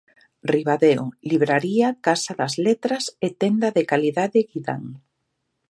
Ribadeo: Libraría Casa das Letras e Tenda de Calidade Guidán.